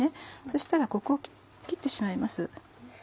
そしたらここを切ってしまいます。